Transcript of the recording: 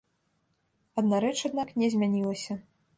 Адна рэч, аднак, не змянілася.